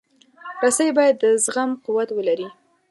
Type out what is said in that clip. رسۍ باید د زغم قوت ولري.